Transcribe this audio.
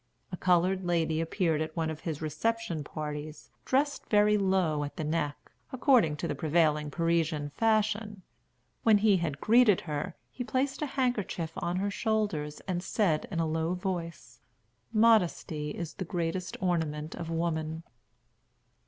A colored lady appeared at one of his reception parties dressed very low at the neck, according to the prevailing Parisian fashion. When he had greeted her, he placed a handkerchief on her shoulders, and said in a low voice, "Modesty is the greatest ornament of woman."